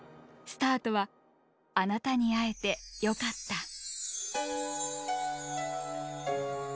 スタートは「あなたに会えてよかった」。